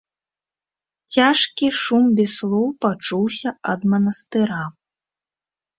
Цяжкі шум без слоў пачуўся ад манастыра.